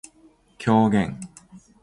狂言